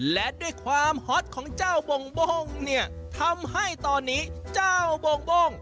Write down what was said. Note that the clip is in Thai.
และด้วยความฮอตของเจ้าโบ่งเนี่ยทำให้ตอนนี้เจ้าโบ่ง